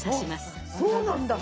あそうなんだ。